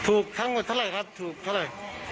อือ